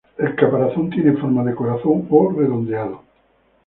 El caparazón tiene forma de corazón o redondeado.